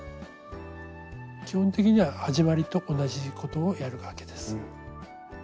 基本的には始まりと同じことをやるわけです。